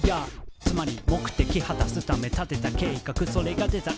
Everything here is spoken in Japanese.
「つまり目的果たすため立てた計画それがデザイン」